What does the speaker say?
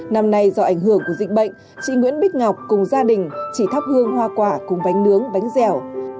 năm nay do ảnh hưởng của dịch bệnh chị nguyễn bích ngọc cùng gia đình chỉ thắp hương hoa quả cùng bánh nướng bánh dẻo